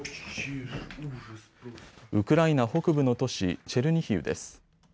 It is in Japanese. ウクライナ北部の都市チェルニヒウです。